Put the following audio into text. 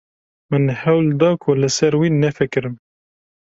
Min hewl da ku li ser wî nefikirim.